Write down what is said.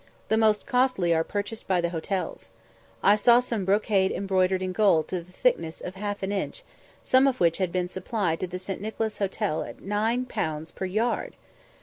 The most costly are purchased by the hotels. I saw some brocade embroidered in gold to the thickness of half an inch, some of which had been supplied to the St. Nicholas Hotel at 9_l._ per yard!